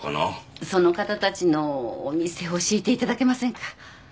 その方たちのお店を教えていただけませんか？